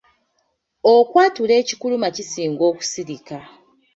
Okwatula ekikuluma kisinga okusirika.